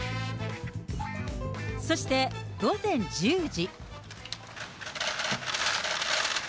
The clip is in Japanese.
そして、午前１０時。